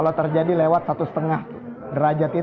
kalau terjadi lewat satu hal itu tidak akan menjadi pilihan